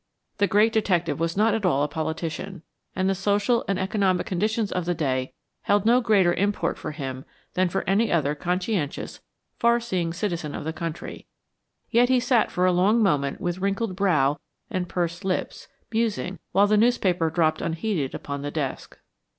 The great detective was not at all a politician, and the social and economic conditions of the day held no greater import for him than for any other conscientious, far seeing citizen of the country, yet he sat for a long moment with wrinkled brow and pursed lips, musing, while the newspaper dropped unheeded upon the desk.